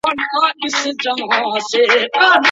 که ښوونکی د پلار یا مور په څیر مهربان وي نو اغیز یې ډیریږي.